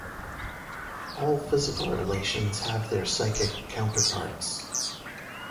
All physical relations have their psychic counterparts.